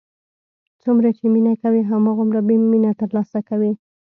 څومره چې مینه کوې، هماغومره به مینه تر لاسه کوې.